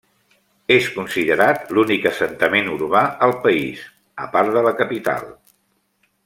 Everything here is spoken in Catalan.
És considerat l'únic assentament urbà al país, a part de la capital.